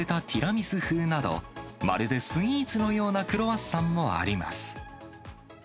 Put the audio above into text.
ティラミス風など、まるでスイーツのようなクロワッサンもあります。